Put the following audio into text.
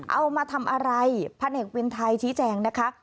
เอามาทำอะไรพันเอกวินไทยชี้แจงนะคะ